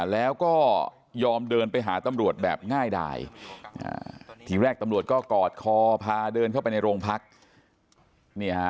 แล้วก็ยอมเดินไปหาตำรวจแบบง่ายดายทีแรกตำรวจก็กอดคอพาเดินเข้าไปในโรงพัก